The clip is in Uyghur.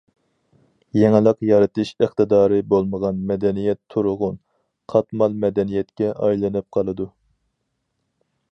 يېڭىلىق يارىتىش ئىقتىدارى بولمىغان مەدەنىيەت تۇرغۇن، قاتمال مەدەنىيەتكە ئايلىنىپ قالىدۇ.